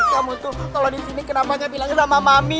kamu tuh kalau di sini kenapa gak bilangnya sama mami